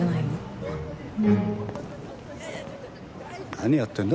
何やってんだ？